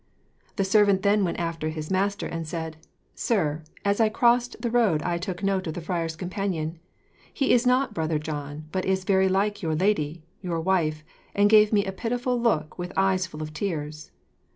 The servant then went after his master and said "Sir, as I crossed the road I took note of the friar's companion. He is not Brother John, but is very like my lady, your wife, and gave me a pitiful look with eyes full of tears."